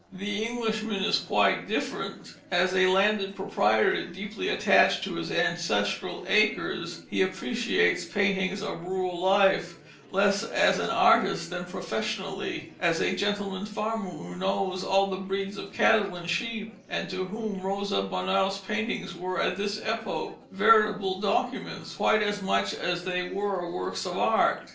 The Englishman is quite different. As a landed proprietor deeply attached to his ancestral acres, he appreciates paintings of rural life, less as an artist than professionally, as a gentleman farmer who knows all the breeds of cattle and sheep and to whom Rosa Bonheur's paintings were at this epoch veritable documents, quite as much as they were works of art.